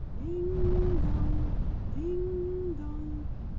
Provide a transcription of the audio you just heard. Ding dong! ding dong!